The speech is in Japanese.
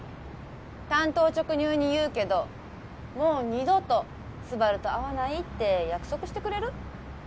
単刀直入に言うけどもう二度とスバルと会わないって約束してくれる？